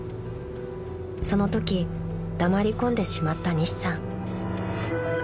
［そのとき黙り込んでしまった西さん］